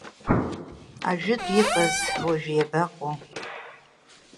Ажәытә иҟаз уажәы иабаҟоу!